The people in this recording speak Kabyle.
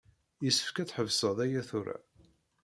Yessefk ad tḥebseḍ aya tura.